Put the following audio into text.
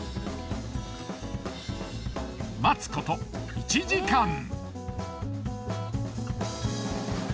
待つこと１時間。